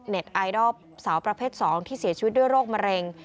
ไอดอลสาวประเภท๒ที่เสียชีวิตด้วยโรคมะเร็ง